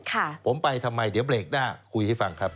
ค่ะผมไปทำไมเดี๋ยวเบรกหน้าคุยให้ฟังครับ